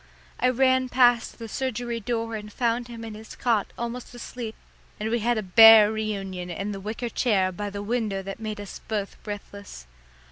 I ran past the surgery door and found him in his cot almost asleep, and we had a bear reunion in the wicker chair by the window that made us both breathless.